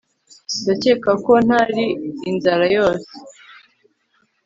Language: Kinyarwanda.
ndakeka ko ntari inzara yose